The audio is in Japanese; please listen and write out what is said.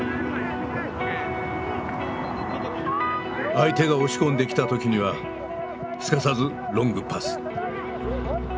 相手が押し込んできた時にはすかさずロングパス。